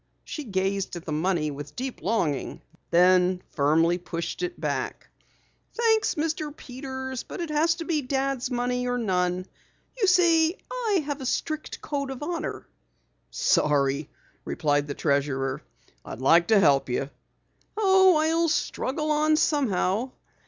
She gazed at the money with deep longing, then firmly pushed it back. "Thanks, Mr. Peters, but it has to be Dad's money or none. You see, I have a strict code of honor." "Sorry," replied the treasurer. "I'd like to help you." "Oh, I'll struggle on somehow."